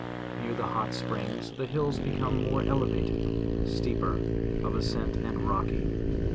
Near the hot springs the hills become more ele vated, steeper of ascent and rocky.